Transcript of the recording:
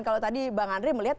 kalau tadi bang andri melihat